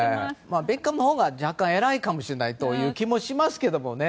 ベッカムのほうが若干偉いかもしれないという気もしますけどね。